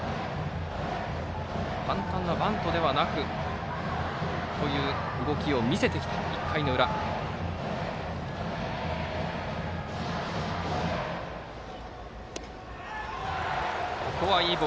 簡単なバントではなくという動きを見せてきた１回の裏です。